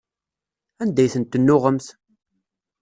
Anda ay ten-tennuɣemt?